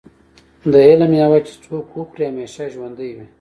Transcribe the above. د علم مېوه چې څوک وخوري همیشه ژوندی وي.